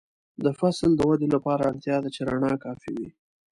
د فصل د ودې لپاره اړتیا ده چې رڼا کافي وي.